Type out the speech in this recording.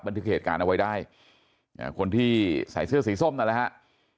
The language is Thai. เหตุการณ์เอาไว้ได้คนที่ใส่เสื้อสีส้มนั่นแหละฮะ